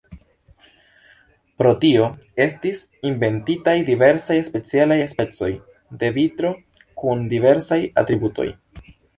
Pro tio estis inventitaj diversaj specialaj specoj de vitro kun diversaj atributoj.